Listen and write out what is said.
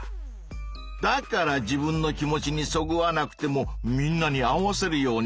だから自分の気持ちにそぐわなくてもみんなに合わせるようにするのか。